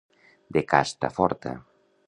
De casta forta.